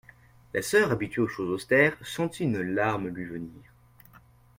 La soeur, habituée aux choses austères, sentit une larme lui venir.